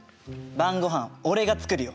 晩ごはん俺が作るよ。